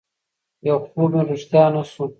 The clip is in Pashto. يو خوب مې رښتيا نه شو